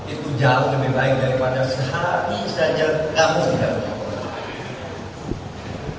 itu jauh lebih baik daripada sehari saja kamu tidak punya